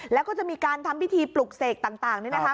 แล้วก็จะมีการทำพิธีปลุกเสกต่างนี่นะคะ